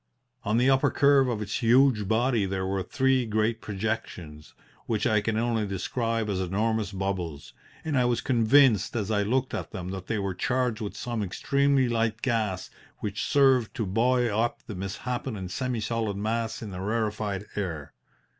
On the upper curve of its huge body there were three great projections which I can only describe as enormous bubbles, and I was convinced as I looked at them that they were charged with some extremely light gas which served to buoy up the misshapen and semi solid mass in the rarefied air.